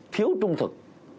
thiếu trung thực